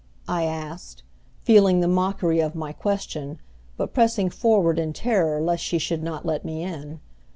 I asked, feeling the mockery of my question, but pressing forward in terror lest she should not let me in.